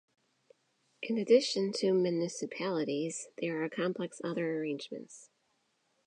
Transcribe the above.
In addition to municipalities, there are complex other arrangements.